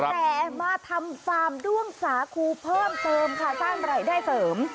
แต่มาทำฟาร์มด้วงสาคูเพิ่มเติมค่ะสร้างรายได้เสริม